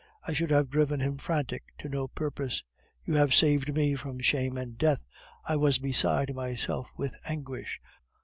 I should have driven him frantic to no purpose. You have saved me from shame and death; I was beside myself with anguish.